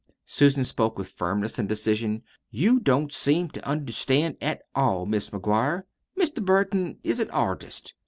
Susan spoke with firmness and decision. "You don't seem to understand at all, Mis' McGuire. Mr. Burton is an artist.